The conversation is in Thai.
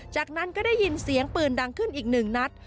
จากนั้นก็ได้ยินเสียงปืนดังขึ้นอีกหนึ่งนัด